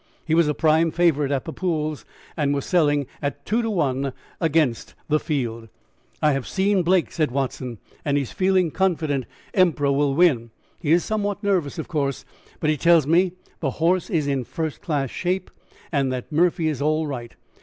He was a prime favorite at the pools and was selling at two to one against the field. "I have seen Blake," said Watson, "and he is feeling confident that Emperor will win. He is somewhat nervous, of course, but he tells me the horse is in first class shape, and that Murphy is all right.